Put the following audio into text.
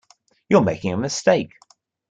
You are making a mistake.